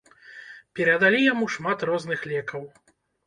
Перадалі яму шмат розных лекаў.